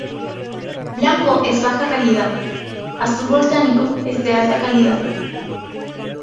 Blanco es baja calidad, azul volcánico es de alta calidad.